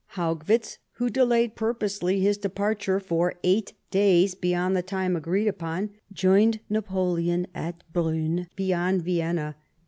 Haugwitz, who delayed pur posely his departure for eight days beyond the time agreed upon, joined Napoleon at Briinn, beyond Vienna.